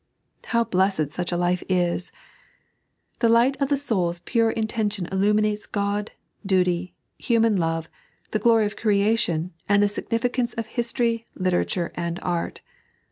How blessed such a life is I The light of the soul's pure intention iUumioatee Ood, duty, human love, the glory of creation, and the significance of history, literature, and art.